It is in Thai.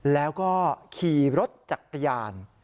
แล้วก็ขี่รถจักรยาน